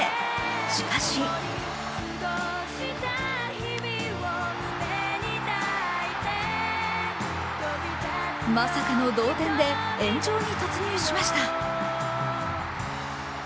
しかしまさかの同点で延長に突入しました。